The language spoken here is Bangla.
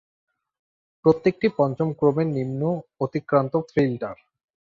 প্রত্যেকটি পঞ্চম ক্রমের নিম্ন-অতিক্রান্ত ফিল্টার।